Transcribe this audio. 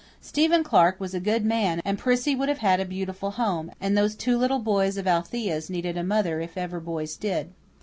Stephen Clark was a good man and Prissy would have a beautiful home; and those two little boys of Althea's needed a mother if ever boys did.